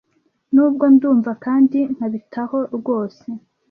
Nubwo, ndumva kandi nkabitaho rwose;